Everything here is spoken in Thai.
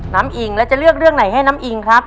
อิงแล้วจะเลือกเรื่องไหนให้น้ำอิงครับ